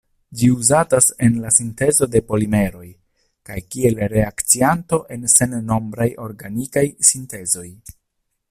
Ĝi uzatas en la sintezo de polimeroj kaj kiel reakcianto en sennombraj organikaj sintezoj.